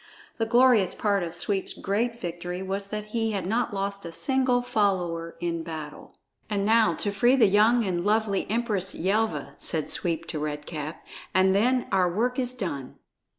The glorious part of Sweep's great victory was that he had not lost a single follower in battle! "And now to free the young and lovely Empress Yelva," said Sweep to Red Cap, "and then our work is done."